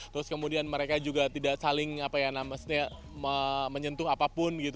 terus kemudian mereka juga tidak saling apa ya namanya menyentuh apapun gitu